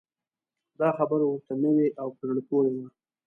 دا خبره ورته نوې او په زړه پورې وه.